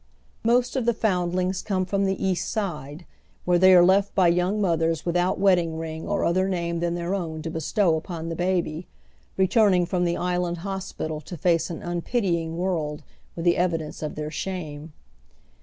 Most of the foundlings come from the East Side, where they are left by young mothers withoiit wedding ring or other name than their own to bestow upon the baby, I'eturuing from the island hospital to fnce an unpitying world with tlie evidence of their shauie.